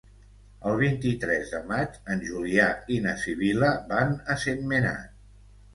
El vint-i-tres de maig en Julià i na Sibil·la van a Sentmenat.